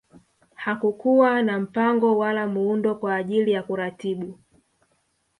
Hakukuwa na mpango wala muundo kwa ajili ya kuratibu